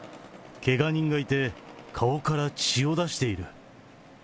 けが人がいて、顔から血を出している。